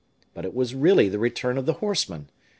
But it was really the return of the horseman.